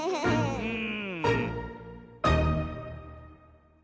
うん。